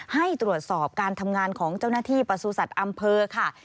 ให้ตรวจสอบการทำงานของเจ้าหน้าที่ประสูจัตว์อำเภอค่ะ